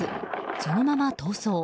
そのまま、逃走。